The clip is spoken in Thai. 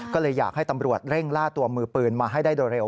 ก็เลยอยากให้ตำรวจเร่งล่าตัวมือปืนมาให้ได้โดยเร็ว